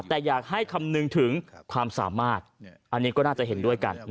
แต่อยากให้คำนึงถึงความสามารถอันนี้ก็น่าจะเห็นด้วยกัน